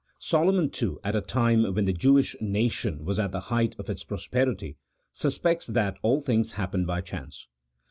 Solomon, too, at a time when the Jewish nation was at the height of its prosperity, suspects that all things happen by chance.